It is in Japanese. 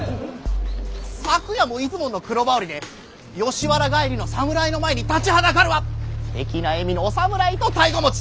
昨夜も五つ紋の黒羽織で吉原帰りの侍の前に立ちはだかるは不敵な笑みのお侍と太鼓持ち。